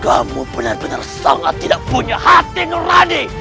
kamu benar benar sangat tidak punya hati nurani